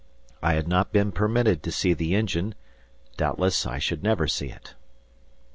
I had not been permitted to see the engine; doubtless I should never see it.